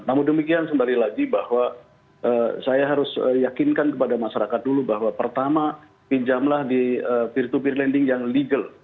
namun demikian kembali lagi bahwa saya harus yakinkan kepada masyarakat dulu bahwa pertama pinjamlah di peer to peer lending yang legal